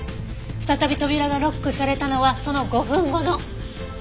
再び扉がロックされたのはその５分後の１時４７分。